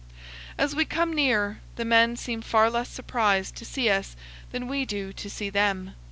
As we come near, the men seem far less surprised to see us than we do to see them.